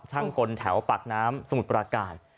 คนแถวปากน้ำสมุทรปราการ